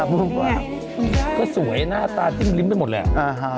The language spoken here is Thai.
มันต่อก็ตัวขนาดนี้แสดง